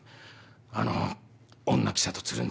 あの女記者とつるんで。